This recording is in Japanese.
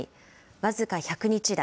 僅か１００日だ。